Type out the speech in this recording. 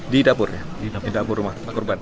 di dapur rumah di dapur rumah